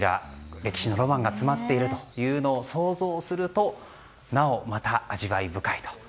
歴史のロマンが詰まっているというのを想像するとなおまた味わい深いと。